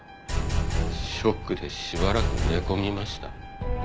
ショックでしばらく寝込みました。